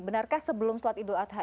benarkah sebelum sholat idul adha